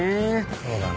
そうだな。